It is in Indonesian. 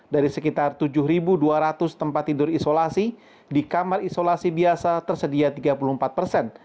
dari sekitar tujuh dua ratus tempat tidur isolasi di kamar isolasi biasa tersedia tiga puluh empat persen